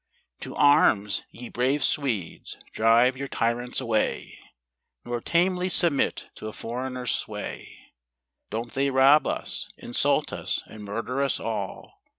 To arms, ye brave Swedes, drive your tyrants away, Nor tamely submit to a foreigner's sway. Don't they rob us, insult us, and murder us all